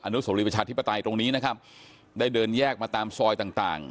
นุโสรีประชาธิปไตยตรงนี้นะครับได้เดินแยกมาตามซอยต่างต่าง